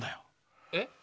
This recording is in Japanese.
えっ？